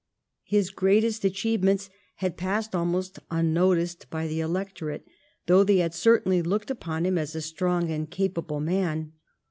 His greatest achievements had passed almost unnoticed by the electorate, though they had certainly looked upon him as a strong and capable man.